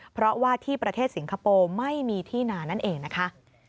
เพราะว่าที่ประเทศสิงคโปร์ไม่มีที่นานั่นเองนะคะ